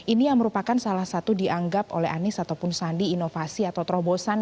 ini yang merupakan salah satu dianggap oleh anies ataupun sandi inovasi atau terobosan